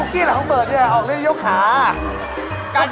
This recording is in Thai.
กระกัด